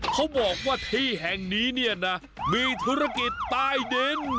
เขาบอกว่าที่แห่งนี้เนี่ยนะมีธุรกิจใต้ดิน